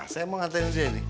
saya mau ngantriin dia ini